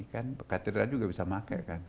katedral juga bisa dimakai kan